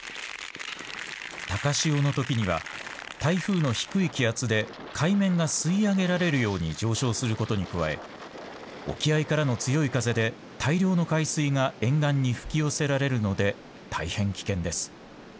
高潮のときには台風の低い気圧で海面が吸い上げられるように上昇することに加え沖合からの強い風で大量の海水が沿岸に吹き寄せられるので大変危険です。